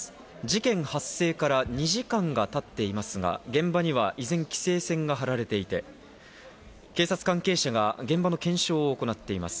事件発生から２時間が経っていますが、現場には依然、規制線が張られていて、警察関係者が現場の検証を行っています。